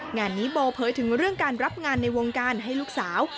งานนี้โบเผยถึงเรื่องการรับงานในวงการให้ลูกสาว